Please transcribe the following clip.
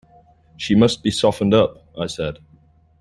"She must be softened up," I said.